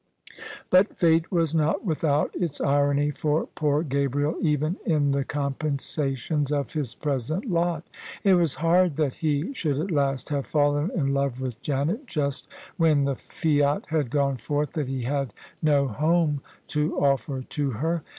But Fate was not without its irony for poor Gabriel, even in the compensations of his present lot. It was hard that he should at last have fallen in love with Janet just when the fiat had gone forth that he had no home to offer to her.